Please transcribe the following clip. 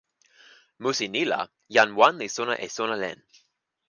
musi ni la jan wan li sona e sona len.